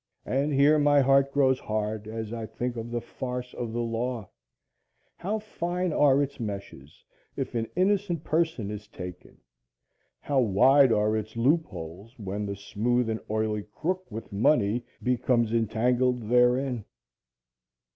And here my heart grows hard as I think of the farce of the law how fine are its meshes if an innocent person is taken how wide are its loop holes when the smooth and oily crook with money becomes entangled therein.